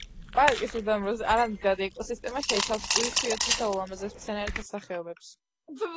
პარკის უდაბნოს არამდგრადი ეკოსისტემა შეიცავს უიშვიათეს და ულამაზეს მცენარეთა სახეობებს.